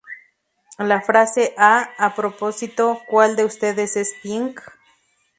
La frase "Ah, a propósito, cuál de ustedes es Pink?